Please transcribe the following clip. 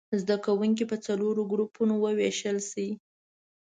زده کوونکي په څلورو ګروپونو ووېشل شي.